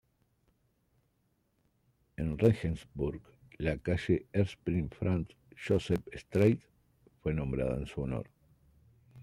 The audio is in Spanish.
En Regensburg, la calle Erbprinz-Franz-Joseph-Straße fue nombrada en su honor.